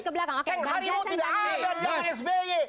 teng harimau tidak ada dalam sby